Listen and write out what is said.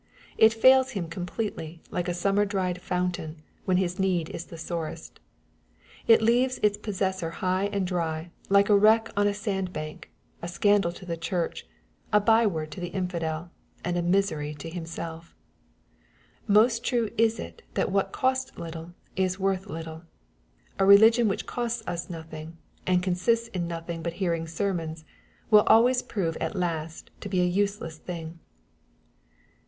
It fails him completely, like a summer dried fountain, when his need is the sorest. It leaves its possessor high and dry, like a wreck on a sand bank, a scandal to the church, a by word to the infidel, and a misery to himsell Most true is it that what costs little is worth little I A religion which costs us nothing, and consist in nothing but hearing sermons, will always prove at last to be a useless thing.